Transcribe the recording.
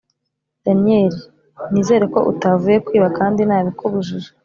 daniel! nizere ko utavuye kwiba kandi nabikubujije!! “